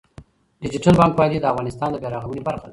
ډیجیټل بانکوالي د افغانستان د بیا رغونې برخه ده.